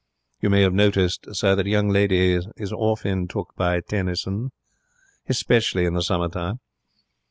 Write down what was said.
You may have noticed, sir, that young ladies is often took by Tennyson, hespecially in the summertime.